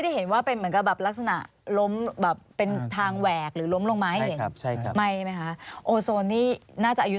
แต่ว่ามันเป็นป่าพือที่ต้นไม้อยู่